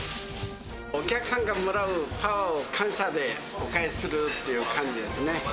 お客さんからもらうパワーを感謝でお返しするっていう感じですね。